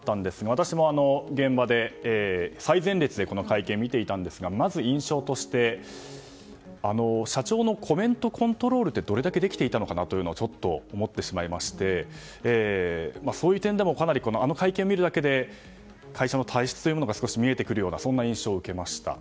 私も現場で、最前列でこの会見を見ていたんですがまず印象として社長のコメントコントロールってどれだけできていたのかなと思ってしまいましてそういう点でもあの会見を見るだけで会社の体質というものが少し見えてくるようなそんな印象を受けました。